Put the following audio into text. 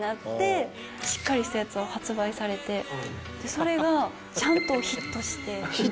それがちゃんとヒットして。